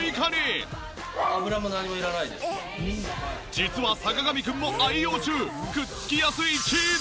実は坂上くんも愛用中。